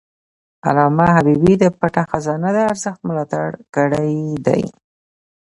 علامه حبيبي د پټه خزانه د ارزښت ملاتړ کړی دی.